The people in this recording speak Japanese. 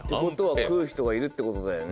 食う人がいるってことだよね。